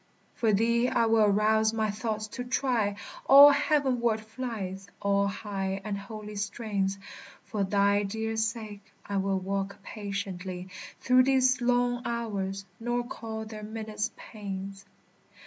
For thee I will arouse my thoughts to try All heavenward flights, all high and holy strains; For thy dear sake I will walk patiently Through these long hours, nor call their minutes pains.